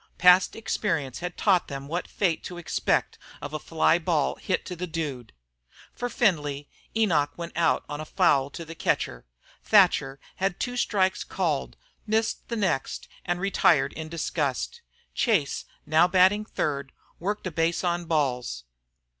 Past experience had taught them what fate to expect of a fly ball hit to the Dude. For Findlay, Enoch went out on a foul to the catcher; Thatcher had two strikes called, missed the next, and retired in disgust. Chase, now batting third, worked a base on balls.